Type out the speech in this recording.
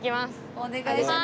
お願いしまーす！